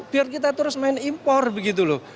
biar kita terus main impor begitu loh